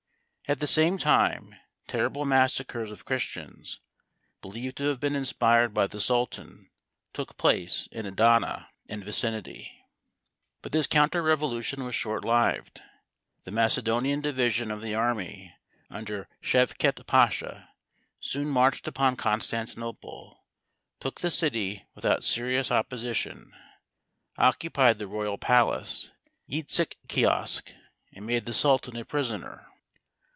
At the same time terrible massacres of Christians, believed to have been inspired by the Sultan, took place in Adana and vicinity. But this counter revolution was short lived. The Macedonian division of the army under Chevket Pasha soon marched upon Constantinople, took the city without serious opposition, occupied the royal palace (Yiediz Kiosk), and made the Sultan a prisoner.